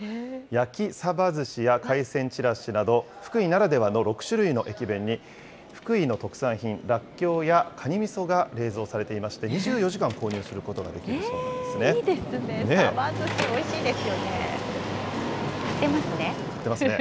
焼きさばずしや海鮮ちらしなど、福井ならではの６種類の駅弁に、福井の特産品、らっきょうや、かにみそが冷蔵されていまして、２４時間購入することができるそういいですね、さばずし、おいしいですよね。